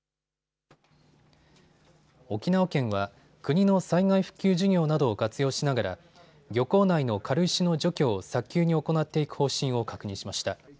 沖縄県は国の災害復旧事業などを活用しながら漁港内の軽石の除去を早急に行っていく方針を確認しました。